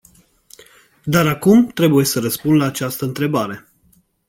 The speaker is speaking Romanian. Dar acum trebuie să răspund la această întrebare.